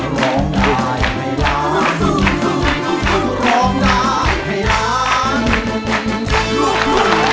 ร้องได้ให้ไปที่๒รับแล้วค่ะ